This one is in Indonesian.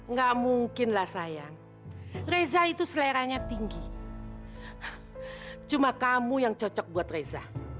nggak mungkinlah sayang reza itu seleranya tinggi cuma kamu yang cocok buat reza